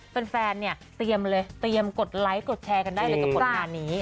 แฟนเนี่ยเตรียมเลยเตรียมกดไลค์กดแชร์กันได้เลยกับผลงานนี้